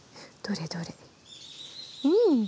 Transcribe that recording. どれどれ。